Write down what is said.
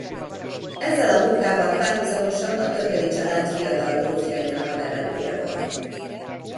Ezzel a munkával párhuzamosan a Thököly család fiatal grófjainak a nevelője volt.